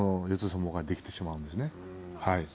相撲ができてしまうんですね。